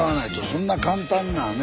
そんな簡単なね